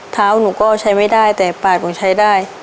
หนูก็ใช้ไม่ได้แต่ปากหนูใช้ได้